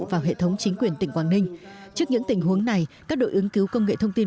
vào hệ thống chính quyền tỉnh quảng ninh trước những tình huống này các đội ứng cứu công nghệ thông tin